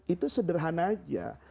itu sederhana aja